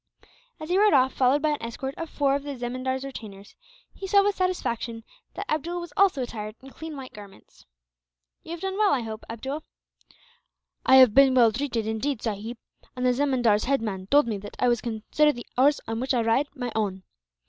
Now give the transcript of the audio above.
As he rode off, followed by an escort of four of the zemindar's retainers, he saw with satisfaction that Abdool was also attired in clean white garments. "You have done well, I hope, Abdool?" "I have been well treated, indeed, sahib, and the zemindar's head man told me that I was to consider the horse on which I ride my own.